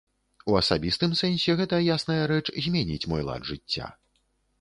У асабістым сэнсе гэта, ясная рэч, зменіць мой лад жыцця.